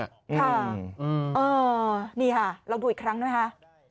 ค่ะนี่ค่ะลองดูอีกครั้งนะคะ